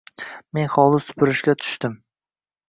Men hovli supurishga tushdim.